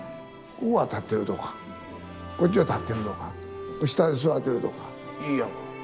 ここは立ってるとかこっちは立ってるとか下で座ってるとかいいやんか。